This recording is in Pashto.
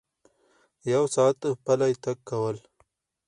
یو ساعت پلی تګ کول